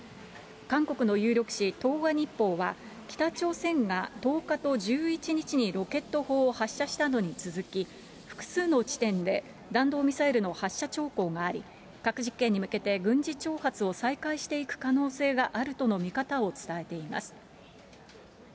韓国の有力紙、東亜日報は、北朝鮮が１０日と１１日にロケット砲を発射したのに続き、複数の地点で弾道ミサイルの発射兆候があり、核実験に向けて軍事挑発を再開していく可能性があるとの見方を伝えています。